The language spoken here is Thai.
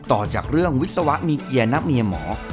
ต่อจากเรื่องวิศวะมีเอียณเมียหมอ